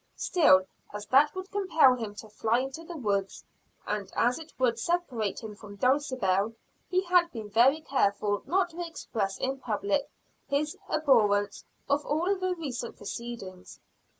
Still, as that would compel him to fly into the woods, and as it would separate him from Dulcibel, he had been very careful not to express in public his abhorrence of all the recent proceedings.